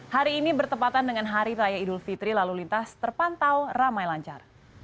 hari ini bertepatan dengan hari raya idul fitri lalu lintas terpantau ramai lancar